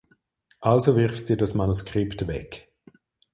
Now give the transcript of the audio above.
Also wirft sie das Manuskript weg.